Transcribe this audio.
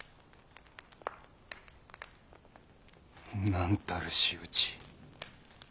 なんたる仕打ち。